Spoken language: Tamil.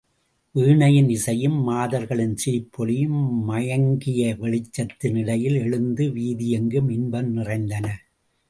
வீணையின் இசையும், மாதர்களின் சிரிப்பொலியும் மயங்கிய வெளிச்சத்தின் இடையிலே எழுந்து வீதியெங்கும் இன்பம் நிறைந்தன.